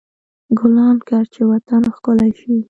ګلان کر، چې وطن ښکلی شي.